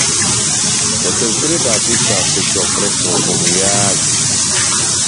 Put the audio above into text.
Bet es gribētu izstāstīt šo priekšlikumu jēgu.